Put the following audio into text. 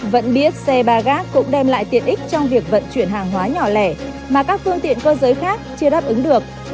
vẫn biết xe ba gác cũng đem lại tiện ích trong việc vận chuyển hàng hóa nhỏ lẻ mà các phương tiện cơ giới khác chưa đáp ứng được